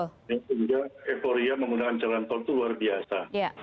sehingga euforia menggunakan jalan tol itu luar biasa